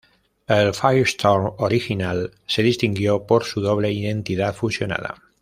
El Firestorm original se distinguió por su doble identidad fusionada.